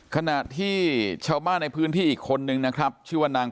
ขณะที่ชาวบ้านในพื้นที่อีกคนนึงนะครับชื่อว่านาง